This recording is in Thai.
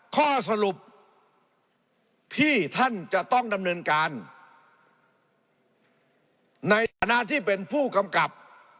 ข้อสรุปที่ท่านจะต้องดำเนินการในฐานะที่เป็นผู้กำกับ